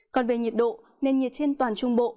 còn về nhiệt độ nền nhiệt trên toàn trung bộ